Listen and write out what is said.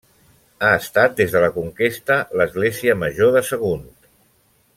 Ha estat des de la conquesta, l'església Major de Sagunt.